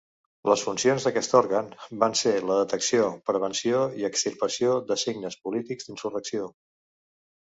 Les funcions d'aquest òrgan van ser la detecció, prevenció i extirpació de signes polítics d'insurrecció.